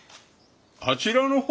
あちらの方？